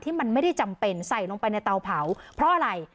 มันไม่ได้จำเป็นใส่ลงไปในเตาเผาเพราะอะไร